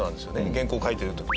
原稿書いてる時。